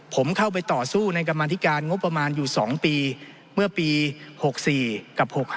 ผมเข้าไปต่อสู้ในกรรมธิการงบประมาณอยู่๒ปีเมื่อปี๖๔กับ๖๕